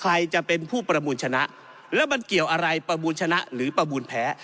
ใครจะเป็นผู้ประมูลชนะแล้วมันเกี่ยวอะไรประมูลชนะหรือประมูลแพ้